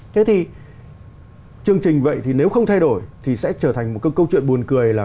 thế thì chương trình vậy thì nếu không thay đổi thì sẽ trở thành một câu chuyện buồn cười là